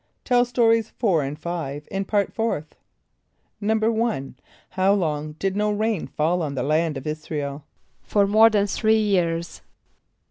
(Tell Stories 4 and 5 in Part Fourth.) =1.= For how long did no rain fall on the land of [)I][s+]´ra el? =For more than three years.